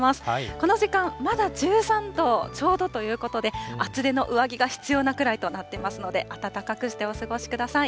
この時間、まだ１３度ちょうどということで、厚手の上着が必要なぐらいとなっていますので、暖かくしてお過ごしください。